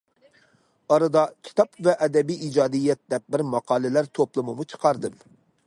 ئارىدا« كىتاب ۋە ئەدەبىي ئىجادىيەت» دەپ بىر ماقالىلەر توپلىمىمۇ چىقاردىم.